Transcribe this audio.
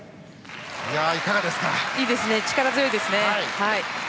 いいですね、力強いです。